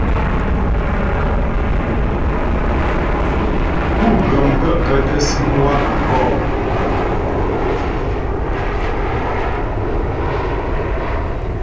Pú ghə́ m gaə̂kə́ tə síŋ waə̂ bɔ̂p ?